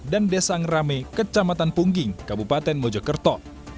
dan desa ngrame kecamatan pungging kabupaten mojokerto